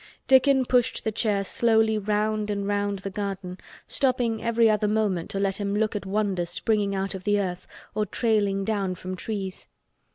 Dickon pushed the chair slowly round and round the garden, stopping every other moment to let him look at wonders springing out of the earth or trailing down from trees.